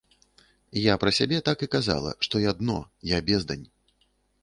Я пра сябе так і казала, што я дно, я бездань.